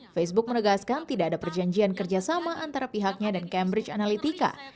facebook menegaskan tidak ada perjanjian kerjasama antara pihaknya dan cambridge analytica